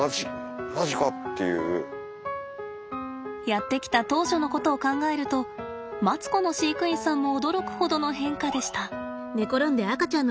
やって来た当初のことを考えるとマツコの飼育員さんも驚くほどの変化でした。